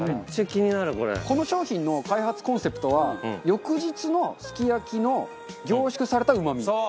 この商品の開発コンセプトは翌日のすき焼きの凝縮されたうまみ。